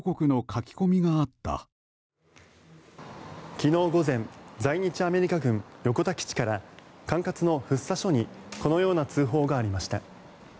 昨日午前在日アメリカ軍横田基地から管轄の福生署にこのような通報がありました。